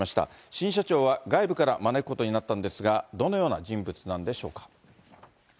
新社長は外部から招くことになったんですが、どのような人物なんでしょうか。